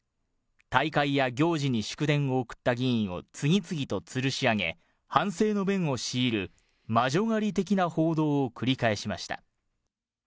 大会や行事に祝電を送った議員を次々とつるし上げ、反省の弁を強いる魔女狩り的な報道を繰り返しました。